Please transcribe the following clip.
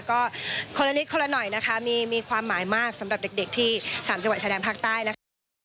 ก็คนละนิดคนละหน่อยนะคะมีความหมายมากสำหรับเด็กที่๓จังหวัดชายแดนภาคใต้นะคะ